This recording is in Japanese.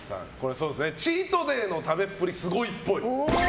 チートデーの食べっぷりすごいっぽい。